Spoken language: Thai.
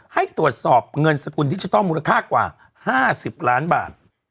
ให้ตรวจสอบเงินสกุลดิจิทัลมูลค่ากว่า๕๐ล้านบาท